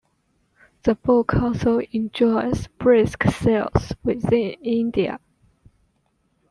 The book also enjoys brisk sales within India.